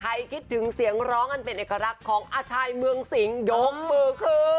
คิดถึงเสียงร้องอันเป็นเอกลักษณ์ของอาชายเมืองสิงยกมือคือ